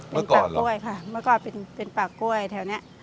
เป็นป่ากล้วยค่ะเมื่อก่อนเป็นป่ากล้วยแถวนี้